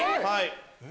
はい！